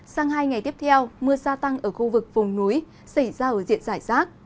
sang hai ngày tiếp theo mưa gia tăng ở khu vực vùng núi xảy ra ở diện giải rác